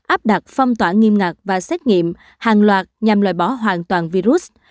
áp đặt phong tỏa nghiêm ngặt và xét nghiệm hàng loạt nhằm loại bỏ hoàn toàn virus